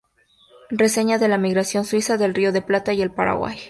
Reseña de la Inmigración Suiza al Río de la Plata y el Paraguay.